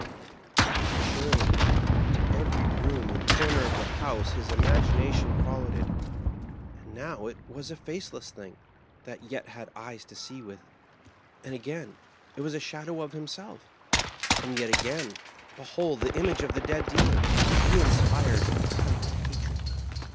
Ay, surely; to every room and comer of the house his imagination fol lowed it ; and now it was a faceless thing, that yet had Digitized by VjOOQIC MABKHEIM. 61 eyes to see with ; and, again, it was a shadow of himself ; and yet, again, behold the image of the dead dealer, reinspired with cunning and hatred.